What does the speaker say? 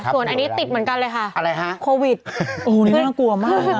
ส่วนอันนี้ติดเหมือนกันเลยค่ะอะไรฮะโควิดโอ้นี่น่ากลัวมาก